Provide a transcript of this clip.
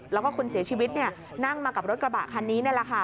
แล้วก็คนเสียชีวิตนั่งมากับรถกระบะคันนี้นี่แหละค่ะ